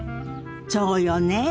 そうよね。